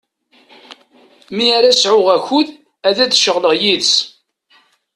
Mi ara sɛuɣ akud, ad d-ceɣleɣ yid-s.